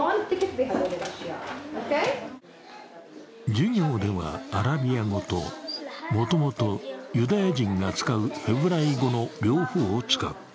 授業ではアラビア語ともともとユダヤ人が使うヘブライ語の両方を使う。